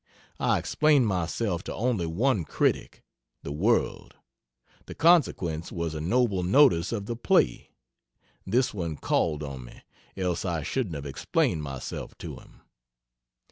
I explained myself to only one critic (the World) the consequence was a noble notice of the play. This one called on me, else I shouldn't have explained myself to him.